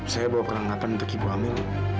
saya bawa kelengkapan untuk ibu hamil